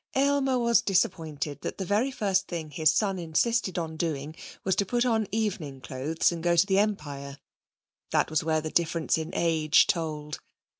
Aylmer was disappointed that the very first thing his son insisted on doing was to put on evening clothes and go to the Empire. That was where the difference in age told.